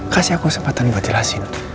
kasih aku kesempatan buat jelasin